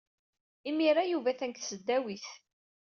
Imir-a, Yuba atan deg tesdawit.